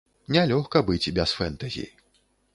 Не лёгка быць без фэнтэзі.